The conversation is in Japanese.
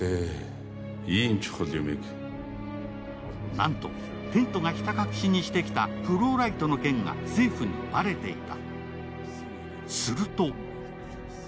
なんと、テントがひた隠しにしてきたフローライトの件が政府にバレていた。